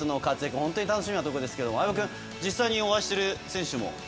本当に楽しみですが相葉君、実際にお会いしている選手も。